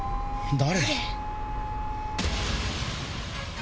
誰？